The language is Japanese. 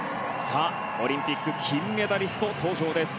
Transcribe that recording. オリンピック金メダリスト登場です。